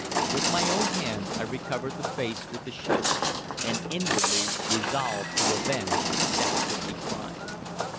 With my own hand I re covered the face with the sheet, and inwardly resolved to avenge the dastardly crime.